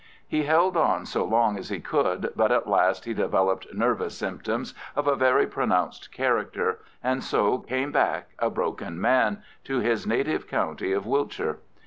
He held on so long as he could, but at last he developed nervous symptoms of a very pronounced character, and so came back, a broken man, to his native county of Wiltshire.